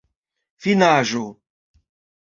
finaĵo